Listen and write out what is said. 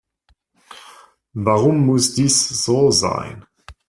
Warum muss dies so sein?